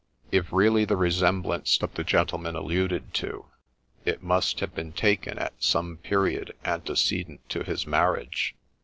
If really the resemblance of the gentleman alluded to, it must have been taken at some period antecedent to his marriage.